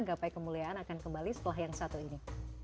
gapai kemuliaan akan kembali setelah yang satu ini